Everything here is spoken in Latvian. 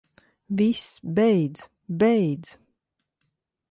Viss, beidz. Beidz.